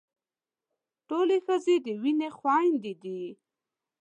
ټولې ښځې د وينې خويندې دي.